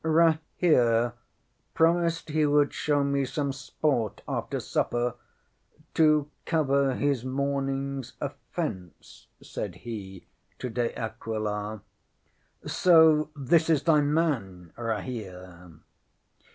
ŌĆśŌĆ£Rahere promised he would show me some sport after supper to cover his morningŌĆÖs offence, ŌĆØ said he to De Aquila. ŌĆ£So this is thy man, Rahere?